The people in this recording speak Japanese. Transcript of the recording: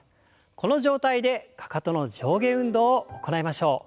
この状態でかかとの上下運動を行いましょう。